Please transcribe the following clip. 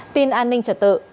tin an ninh trật tự